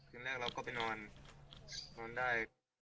อย่างแรกเราก็ไปนอนนอนได้